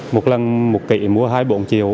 một lần một kỷ mua hai mươi bốn triệu